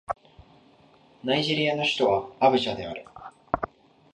ナイジェリアの首都はアブジャである